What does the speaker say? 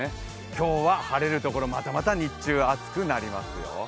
今日は晴れるところ、またまた日中暑くなりますよ。